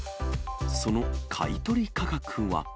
その買い取り価格は。